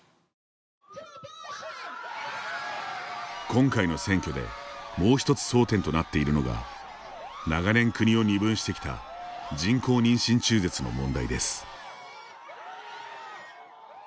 今回の選挙でもう一つ争点となっているのが長年、国を二分してきた人工妊娠中絶の問題です。